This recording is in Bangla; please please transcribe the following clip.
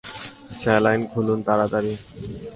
স্যালাইন খুলুন তাড়াতাড়ি!